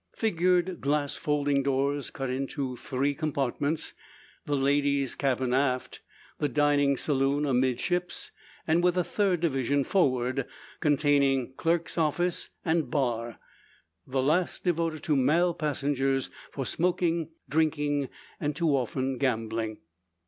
Figured glass folding doors cut it into three compartments; the ladies' cabin aft, the dining saloon amidships, with a third division forward, containing clerk's office and "bar," the last devoted to male passengers for smoking, drinking, and, too often, gambling.